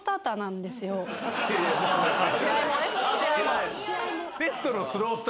試合もね試合も。